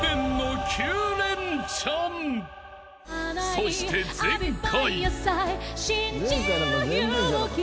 ［そして前回］